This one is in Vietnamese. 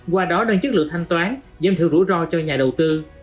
qua đó đơn chất lượng thanh toán giam thiệu rủi ro cho nhà đầu tư